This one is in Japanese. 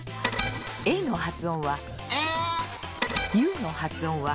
ｕの発音は。